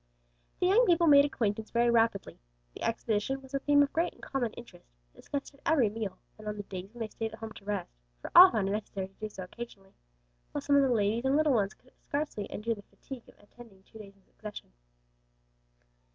The young people made acquaintance very rapidly. The Exposition was a theme of great and common interest, discussed at every meal, and on the days when they stayed at home to rest; for all found it necessary to do so occasionally, while some of the ladies and little ones could scarcely endure the fatigue of attending two days in succession.